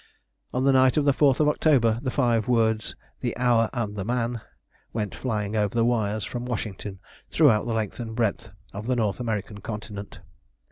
On the night of the 4th of October the five words: "The hour and the man," went flying over the wires from Washington throughout the length and breadth of the North American Continent.